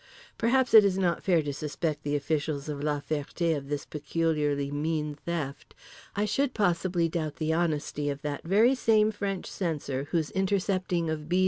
Perhaps it is not fair to suspect the officials of La Ferté of this peculiarly mean theft; I should, possibly, doubt the honesty of that very same French censor whose intercepting of B.